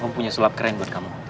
kamu punya sulap keren buat kamu